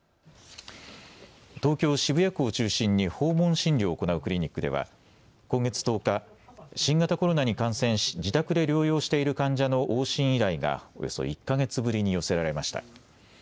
東京渋谷区を中心に訪問診療を行うクリニックでは今月１０日、新型コロナに感染し自宅で療養している患者の往診依頼がおよそ１か月ぶりに寄せられました。